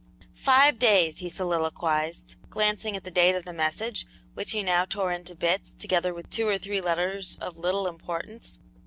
"Five days," he soliloquized, glancing at the date of the message, which he now tore into bits, together with two or three letters of little importance.